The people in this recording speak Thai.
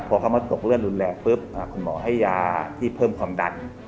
พอเขามาตกเลือดรุนแรงปุ๊บคุณหมอให้ยาที่เพิ่มความดัน